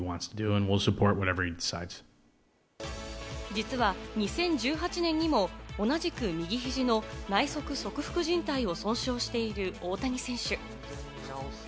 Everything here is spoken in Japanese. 実は２０１８年にも同じく右肘の内側側副じん帯を損傷している大谷選手。